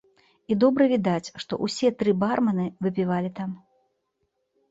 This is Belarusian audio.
І добра відаць, што ўсе тры бармэны выпівалі там.